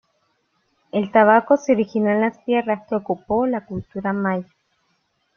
El tabaco se originó en las tierras que ocupó la cultura maya.